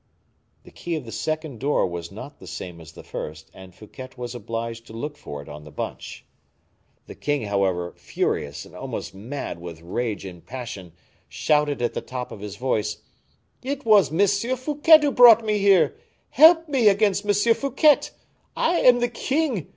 The key of the second door was not the same as the first, and Fouquet was obliged to look for it on the bunch. The king, however, furious and almost mad with rage and passion, shouted at the top of his voice, "It was M. Fouquet who brought me here. Help me against M. Fouquet! I am the king!